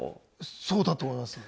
そうだと思います。